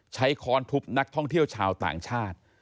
ค้อนทุบนักท่องเที่ยวชาวต่างชาติ